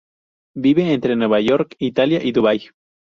Vive entre Nueva York, Italia y Dubái.